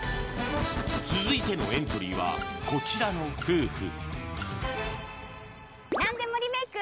続いてのエントリーはこちらの夫婦